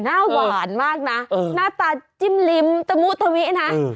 หน้าหวานมากน่ะเออหน้าตาจิ้มริมตะมุตะเมะน่ะเออ